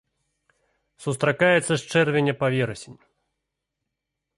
Сустракаецца з чэрвеня па верасень.